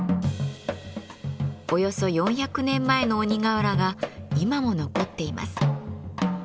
およそ４００年前の鬼瓦が今も残っています。